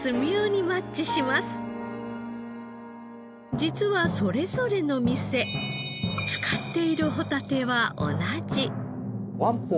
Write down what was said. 実はそれぞれの店使っているホタテは同じ。